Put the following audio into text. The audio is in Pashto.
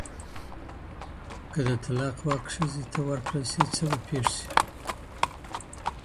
که د طلاق واک ښځي ته ورکړل سي څه به پېښ سي؟